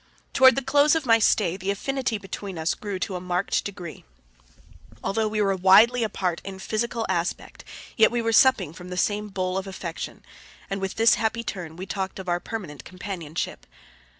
Toward the close of my stay the affinity between us grew to a marked degree. Although we were widely apart in physical aspect, yet we were supping from the same bowl of affection and, with this happy turn, we talked of our permanent companionship.